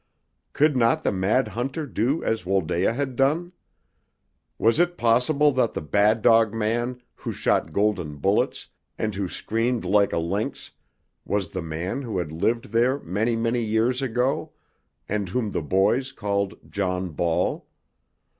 Could not the mad hunter do as Wholdaia had done? Was it possible that the bad dog man who shot golden bullets and who screamed like a lynx was the man who had lived there many, many years ago, and whom the boys called John Ball?